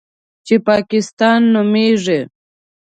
چې پاکستان نومېږي.